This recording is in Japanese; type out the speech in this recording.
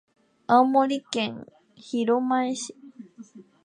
青森県弘前市